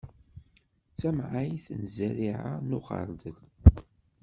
D tamɛayt n zerriɛa n uxeṛdel.